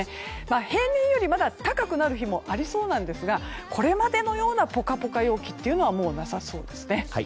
平年より高くなる日もありそうですがこれまでのようなポカポカ陽気はもう、なさそうですね。